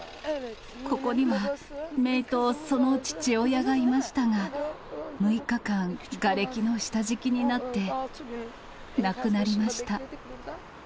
ここには、めいとその父親がいましたが、６日間、がれきの下敷きになって亡くなりました。